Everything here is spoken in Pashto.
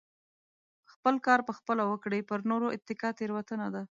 خپل کار په خپله وکړئ پر نورو اتکا تيروتنه ده .